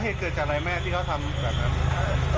ว่าเชี้ยกันแต่ว่าลูกก็จะพอเดือนก็ไม่มี